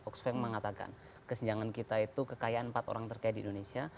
box feng mengatakan kesenjangan kita itu kekayaan empat orang terkaya di indonesia